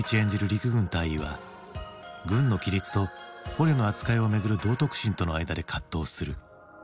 陸軍大尉は軍の規律と捕虜の扱いをめぐる道徳心との間で葛藤する。